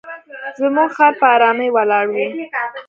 زموږ خر په آرامۍ ولاړ وي.